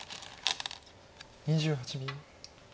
２８秒。